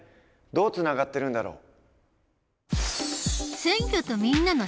どうつながってるんだろう？